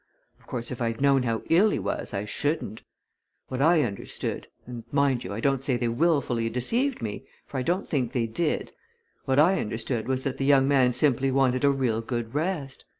Of course, if I'd known how ill he was, I shouldn't. What I understood and mind you, I don't say they wilfully deceived me, for I don't think they did what I understood was that the young man simply wanted a real good rest.